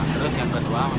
terus yang kedua makan